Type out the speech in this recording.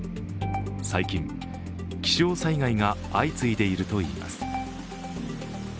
最近、気象災害が相次いでいるといいます。